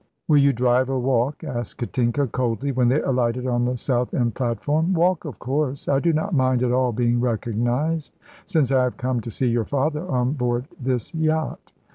"Will yon drive or walk?" asked Katinka, coldly, when they alighted on the Southend platform. "Walk, of course. I do not mind at all being recognised, since I have come to see your father on board this yacht."